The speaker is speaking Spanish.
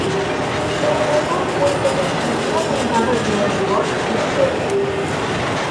Se reforzó el puente con estructuras armadas de hormigón y acero.